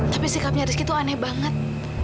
tapi sikapnya rizky itu aneh banget